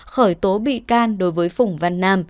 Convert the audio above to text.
khởi tố bị can đối với phủng văn nam